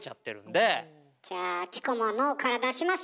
じゃあチコも脳から出します！